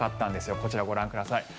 こちら、ご覧ください。